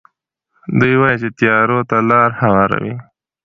دوی وايي چې تیارو ته لارې هواروي.